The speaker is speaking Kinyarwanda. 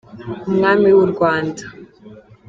umwami w’u Rwanda.